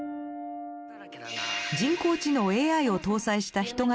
人工知能ＡＩを搭載した人型